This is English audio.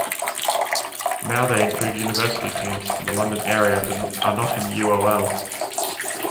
Now they include University teams from the London area that are not in UoL.